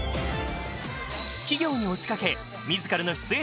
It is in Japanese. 企業に押しかけ自らの出演